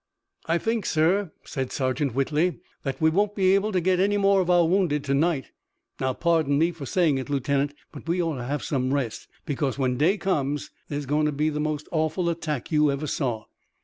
"I think, sir," said Sergeant Whitley, "that we won't be able to get any more of our wounded to night. Now, pardon me for saying it, Lieutenant, but we ought to have some rest, because when day comes there's going to be the most awful attack you ever saw.